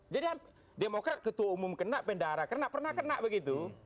jadi demokrat ketua umum kena pendara kena pernah kena begitu